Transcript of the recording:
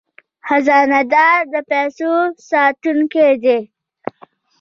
خزانه دار د پیسو ساتونکی دی